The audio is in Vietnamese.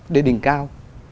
để đình cao